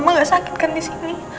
mama gak sakit kan disini